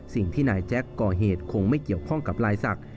สิ่งที่นายแจ็คก่อเหตุคงไม่เกี่ยวข้องกับลายศักดิ